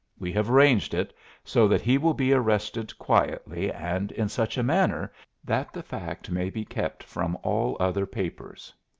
We have arranged it so that he will be arrested quietly and in such a manner that the fact may be kept from all other papers.